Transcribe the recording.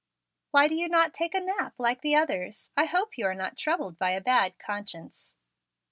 "Why do you not take a nap like the others? I hope you are not troubled by a bad conscience."